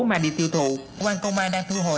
mang đi tiêu thụ quang công an đang thu hồi